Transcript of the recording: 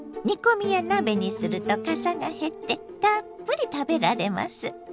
煮込みや鍋にするとかさが減ってたっぷり食べられます。